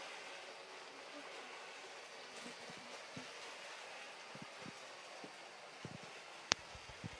যুদ্ধের প্রায় পুরো সময় ধরে জাপানে তিনি সংবাদ সংগ্রহে নিয়োজিত ছিলেন।